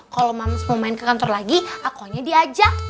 kalau mams mau main ke kantor lagi aku hanya diajak